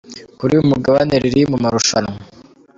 kuri uyu mugabane Riri mu marushanwa.